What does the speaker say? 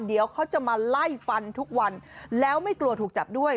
เดี๋ยวเขาจะมาไล่ฟันทุกวันแล้วไม่กลัวถูกจับด้วย